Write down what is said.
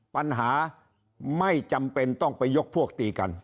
ปัญหาไม่จำเป็นต้องไปยกพวกตีกัน